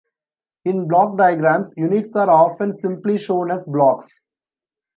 In block diagrams, units are often simply shown as blocks.